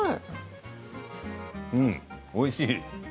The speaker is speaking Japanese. うん、おいしい。